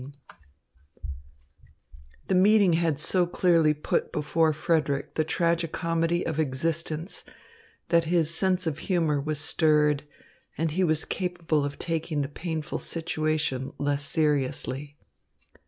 XIX The meeting had so clearly put before Frederick the tragi comedy of existence that his sense of humour was stirred and he was capable of taking the painful situation less seriously.